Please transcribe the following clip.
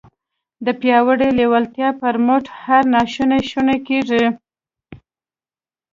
د پياوړې لېوالتیا پر مټ هر ناشونی شونی کېږي.